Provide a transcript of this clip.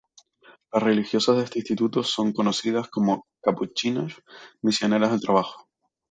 Las religiosas de este instituto son conocidas como Capuchinas misioneras del trabajo.